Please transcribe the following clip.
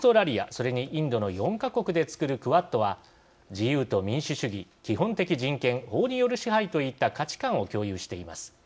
それにインドの４か国でつくるクアッドは自由と民主主義、基本的人権法による支配といった価値観を共有しています。